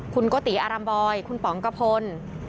คุณโกติอารัมบอยคุณป๋องกระพล